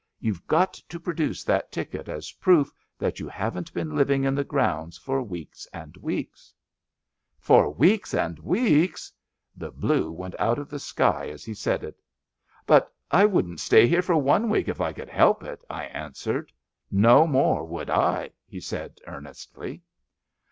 You've got to produce that ticket as proof that you haven't been living in the grounds for weeks and weeks. "For weeks and weeks! '' The blue went out of the sky as he said it. But I wouldn't stay here for one week if I could help it," I an swered. No more would T," he said earnestly.